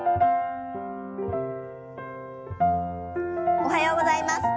おはようございます。